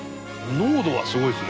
濃度がすごいですね。